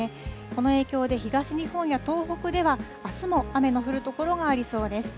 この影響で、東日本や東北では、あすも雨の降る所がありそうです。